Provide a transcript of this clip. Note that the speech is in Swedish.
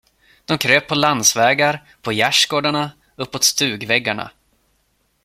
De kröp på landsvägar, på gärdsgårdarna, uppåt stugväggarna.